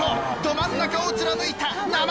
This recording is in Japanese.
ど真ん中を貫いた生卵！